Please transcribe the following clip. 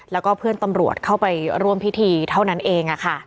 แล้วก็เพื่อนตำรวจเข้าไปร่วมพิธีเท่านั้นเอง